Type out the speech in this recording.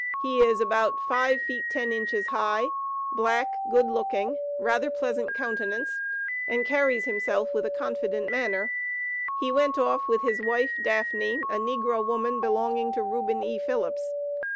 He is about five feet ten inches high, black, good looking, rather pleasant countenance, and carries himself with a confident manner. He went off with his wife, DAFFNEY, a negro woman belonging to Reuben E. Phillips.